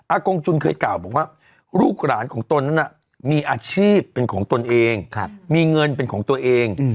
กงจุนเคยกล่าวบอกว่าลูกหลานของตนนั้นมีอาชีพเป็นของตนเองมีเงินเป็นของตัวเอง